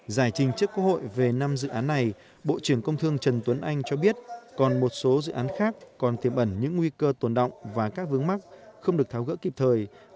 giải trình trước quốc hội về năm dự án này bộ trưởng công thương trần tuấn anh cho biết còn một số dự án khác còn tiềm ẩn những nguy cơ tồn động và các vướng mắc không được tháo gỡ kịp thời